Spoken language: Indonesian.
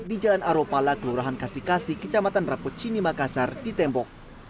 di jalan aropala kelurahan kasikasi kecamatan rapo cini makassar di tembok